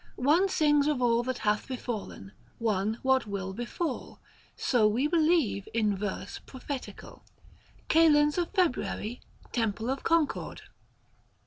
One sings of all That hath befallen, one what will befall ; So we believe, in verse prophetical. XVII. KAL. FEB. TEMPLE OF CONCOED.